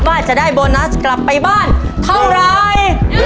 ว่าจะได้โบนัสกลับไปบ้านเท่าไร